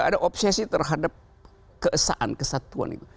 ada obsesi terhadap keesaan kesatuan itu